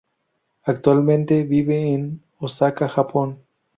Actualmente vive en Osaka, Japón.